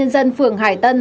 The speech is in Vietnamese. đào duy tùng sides